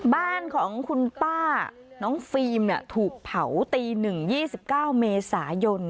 บ้านของคุณป้าน้องฟิล์มเนี่ยถูกเผาตีหนึ่งยี่สิบเก้าเมษายน